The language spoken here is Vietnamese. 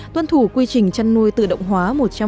tuân thủ quy trình chăn nuôi tự động hóa một trăm linh